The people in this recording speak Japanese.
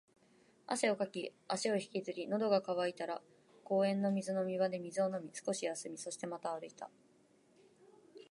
汗をかき、足を引きずり、喉が渇いたら公園の水飲み場で水を飲み、少し休み、そしてまた歩いた